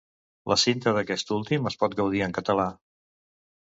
La cinta d'aquest últim es pot gaudir en català.